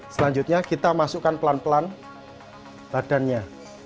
selanjutnya kita masukkan pelan pelan badannya